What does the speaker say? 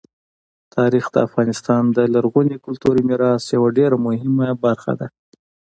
تاریخ د افغانستان د لرغوني کلتوري میراث یوه ډېره مهمه برخه ده.